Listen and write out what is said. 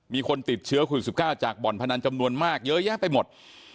มีคนติดเชื้อโควิด๑๙จากบ่อนพนันจำนวนมากเยอะแยะไปหมด